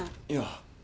いや。